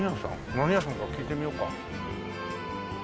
何屋さんか聞いてみようか。